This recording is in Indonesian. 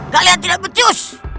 kalian tidak berjus